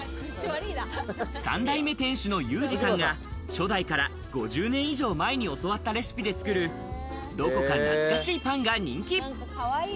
３代目店主の裕二さんが初代から５０年以上前に教わったレシピで作るどこか懐かしいパンが人気。